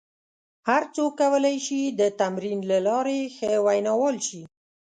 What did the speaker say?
هر څوک کولای شي د تمرین له لارې ښه ویناوال شي.